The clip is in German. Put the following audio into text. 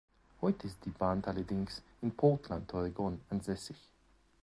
Heute ist die Band allerdings in Portland, Oregon, ansässig.